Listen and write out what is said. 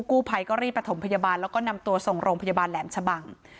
กู้ภัยก็รีบประถมพยาบาลแล้วก็นำตัวส่งโรงพยาบาลแหลมชะบัง